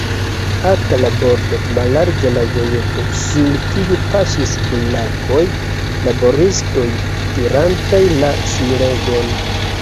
Alta la bordo, mallarĝa la vojeto, sur kiu paŝis burlakoj, laboristoj, tirantaj la ŝnuregon.